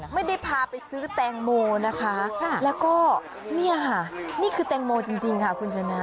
ไม่ได้พาไปซื้อแตงโมนะคะแล้วก็เนี่ยค่ะนี่คือแตงโมจริงค่ะคุณชนะ